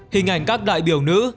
hình ảnh các đại biểu nữ